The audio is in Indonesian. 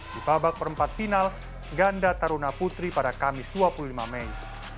di babak perempat final ganda taruna putri pada kamis dua puluh lima mei